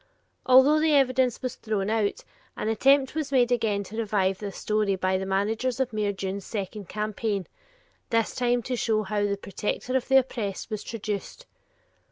Although the evidence was thrown out, an attempt was again made to revive this story by the managers of Mayor Dunne's second campaign, this time to show how "the protector of the oppressed" was traduced.